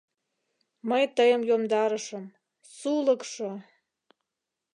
Мый тыйым йомдарышым — сулыкшо!